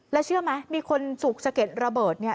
แล้วเชื่อไหมมีคนถูกสะเก็ดระเบิดเนี่ย